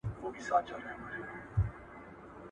• څه ور پنا، څه غر پنا.